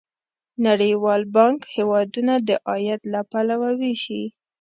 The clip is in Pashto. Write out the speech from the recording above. نړیوال بانک هیوادونه د عاید له پلوه ویشي.